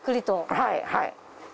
はいはい。